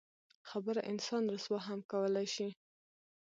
خبره انسان رسوا هم کولی شي.